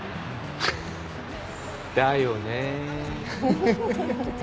だよね。